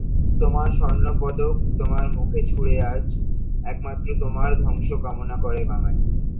তোমার স্বর্ণপদক তোমার মুখে ছুঁড়ে আজ একমাত্র তোমার ধ্বংস কামনা করে বাঙালি।